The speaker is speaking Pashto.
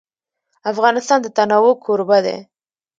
افغانستان د تنوع کوربه دی.